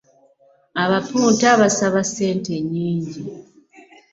Abapunta basaba ssente nnyingi.